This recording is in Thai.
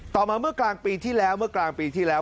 มาเมื่อกลางปีที่แล้วเมื่อกลางปีที่แล้ว